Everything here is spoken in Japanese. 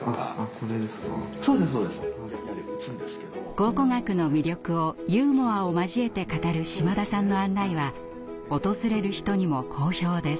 考古学の魅力をユーモアを交えて語る島田さんの案内は訪れる人にも好評です。